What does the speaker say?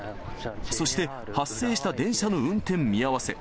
そして、発生した電車の運転見合わせ。